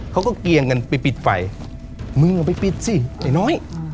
เขาก็เกียงกันไปปิดไฟมึงเอาไปปิดสิไอ้น้อย